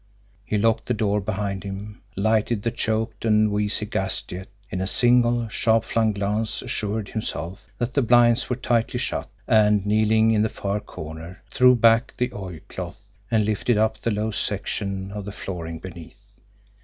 He locked the door behind him, lighted the choked and wheezy gas jet, in a single, sharp flung glance assured himself that the blinds were tightly shut, and, kneeling in the far corner, threw back the oilcloth and lifted up the loose section of the flooring beneath.